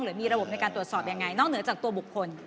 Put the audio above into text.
หรือมีระบบในการตรวจสอบยังไงนอกเหนือจากตัวบุคคล